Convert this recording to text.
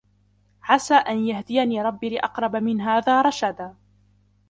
عَسَى أَن يَهْدِيَنِ رَبِّي لِأَقْرَبَ مِنْ هَذَا رَشَدًا.